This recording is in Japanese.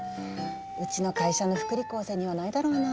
うちの会社の福利厚生にはないだろうな。